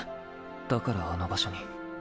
だからあの場所に。